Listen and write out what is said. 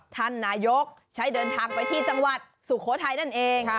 ท่านนายกใช้เดินทางไปที่จังหวัดสุโขทัยนั่นเอง